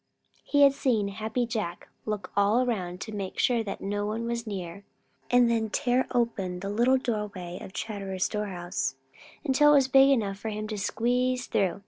He had seen Happy Jack look all around, to make sure that no one was near, and then tear open the little round doorway of Chatterer's storehouse until it was big enough for him to squeeze through.